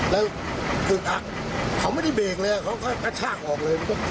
แล้วคืออ่ะเขาไม่ได้เบรกเลยอะเขากระชากออกเลย